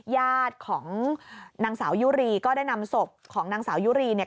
ญาติของนางสาวยุรีก็ได้นำศพของนางสาวยุรีเนี่ย